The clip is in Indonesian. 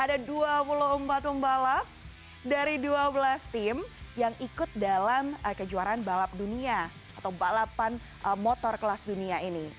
ada dua puluh empat pembalap dari dua belas tim yang ikut dalam kejuaraan balap dunia atau balapan motor kelas dunia ini